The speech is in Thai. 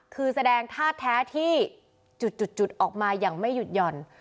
คือแสดงท่าแท้ที่จุดออกมาอย่างไม่หยุดหย่อน